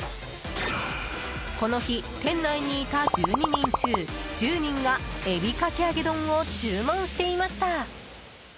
この日、店内にいた１２人中１０人が海老かき揚丼を注文していました。